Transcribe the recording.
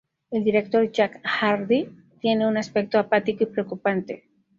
El director Jack Hardy tiene un aspecto apático y preocupante.